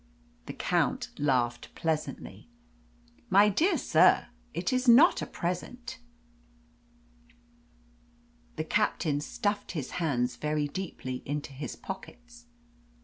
The Count laughed pleasantly. "My dear sir, it is not a present." The Captain stuffed his hands very deeply into his pockets.